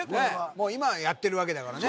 もう今はやってるわけだからね